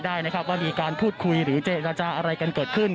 ได้ว่ามีการพูดคุยอะไรมันเกิดขึ้น